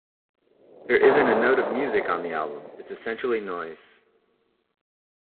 There isn't a note of music on the album; it's essentially noise.